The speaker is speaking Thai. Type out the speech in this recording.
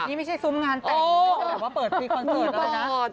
นี่ไม่ใช่ซุ้มงานแต่งแบบว่าเปิดปีคอนเสิร์ตเลยนะ